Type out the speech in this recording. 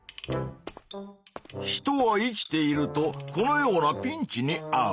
人は生きているとこのようなピンチにあう。